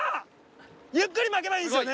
ゆっくり巻けばいいですよね？